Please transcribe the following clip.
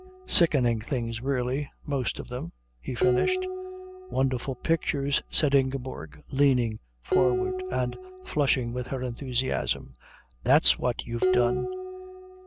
Sickening things, really, most of them," he finished. "Wonderful pictures," said Ingeborg, leaning forward and flushing with her enthusiasm. "That's what you've done."